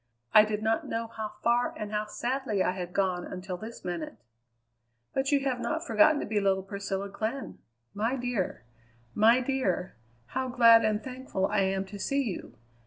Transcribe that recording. "I did not know how far and how sadly I had gone until this minute!" "But you have not forgotten to be little Priscilla Glenn. My dear! My dear! how glad and thankful I am to see you.